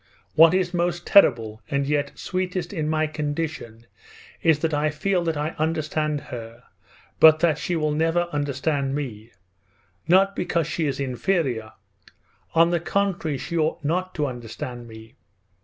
What is most terrible and yet sweetest in my condition is that I feel that I understand her but that she will never understand me; not because she is inferior: on the contrary she ought not to understand me.